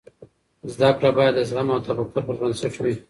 زده کړې باید د زغم او تفکر پر بنسټ وي.